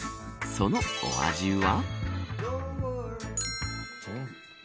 そのお味は。